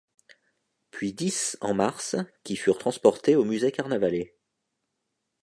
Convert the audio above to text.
Puis dix en mars, qui furent transportés au musée Carnavalet.